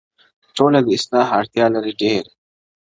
ټولنه د اصلاح اړتيا لري ډېر,